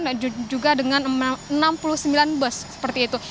dan juga dengan enam puluh sembilan bus seperti itu